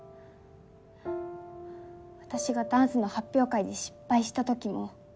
私がダンスの発表会で失敗した時も。